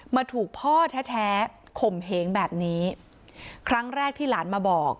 มาถูกพ่อแท้แท้ข่มเหงแบบนี้ครั้งแรกที่หลานมาบอก